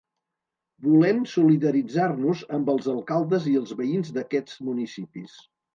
Volem solidaritzar-nos amb els alcaldes i els veïns d’aquests municipis.